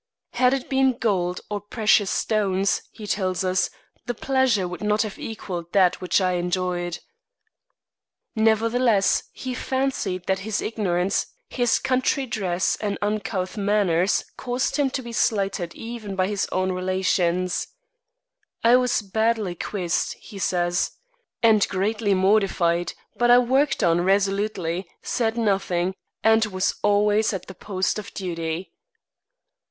"Had it been gold or precious stones," he tells us, "the pleasure would not have equaled that which I enjoyed." Nevertheless, he fancied that his ignorance, his country dress and uncouth manners caused him to be slighted even by his own relations. "I was badly quizzed," he says, "and greatly mortified; but I worked on resolutely, said nothing, and was always at the post of duty."